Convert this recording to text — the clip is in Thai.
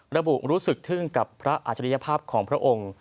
ระบุรู้สึกทื่นกับพระอาจริยภาพของพระองค์